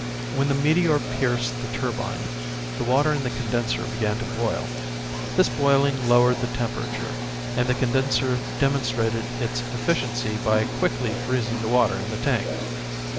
When the meteor pierced the turbine, the water in the condenser began to boil. This boiling lowered the temperature, and the condenser demonstrated its efficiency by quickly freezing the water in the tank.